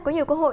có nhiều cơ hội